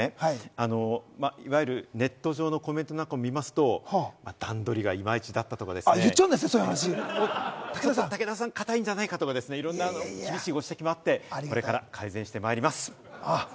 ただね、いわゆる、ネット上のコメントを見ますと、段取りがイマイチだったとかですね、武田さん、堅いんじゃないかとか、いろんな厳しいご指摘もあって、これから改善してまいります。